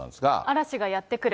嵐がやって来る。